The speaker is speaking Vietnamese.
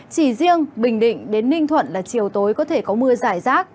chỉ riêng bình định đến ninh thuận là chiều tối có thể có mưa giải rác